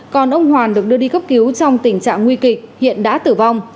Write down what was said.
còn ông hoàn được đưa đi cấp cứu trong tình trạng nguy kịch hiện đã tử vong